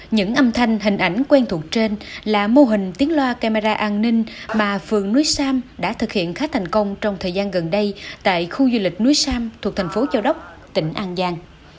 những âm thanh hình ảnh quen thuộc trên là mô hình tiếng loa camera an ninh mà phường núi sam đã thực hiện khá thành công trong thời gian gần đây tại khu du lịch núi sam thuộc thành phố châu đốc tỉnh an giang